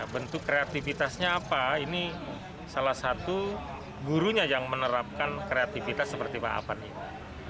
bentuk kreativitasnya apa ini salah satu gurunya yang menerapkan kreativitas seperti pak avan ini